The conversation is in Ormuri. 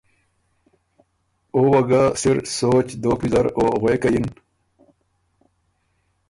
او وه ګه سِر سوچ دوک ویزر او غوېکه یِن۔